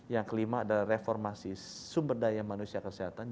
yang kelima adalah reformasi sumber daya manusia kesehatan